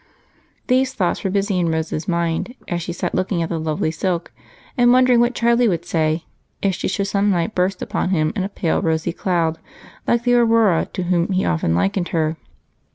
These thoughts were busy in Rose's mind as she sat looking at the lovely silk and wondering what Charlie would say if she should some night burst upon him in a pale rosy cloud, like the Aurora to whom he often likened her.